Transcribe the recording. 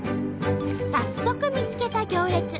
早速見つけた行列。